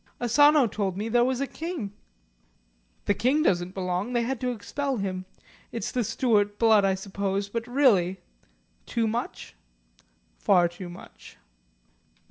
"Asano told me there was a King." "The King doesn't belong. They had to expel him. It's the Stuart blood, I suppose; but really " "Too much?" "Far too much."